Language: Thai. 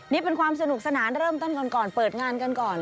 นี่เป็นความสนุกสนานเริ่มต้นก่อนเปิดงานกันก่อน